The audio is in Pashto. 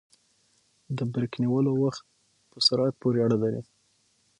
د بریک نیولو وخت په سرعت پورې اړه لري